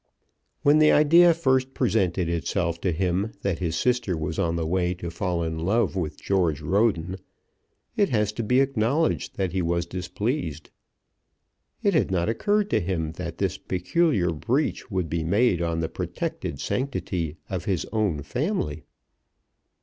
When the idea first presented itself to him that his sister was on the way to fall in love with George Roden, it has to be acknowledged that he was displeased. It had not occurred to him that this peculiar breach would be made on the protected sanctity of his own family.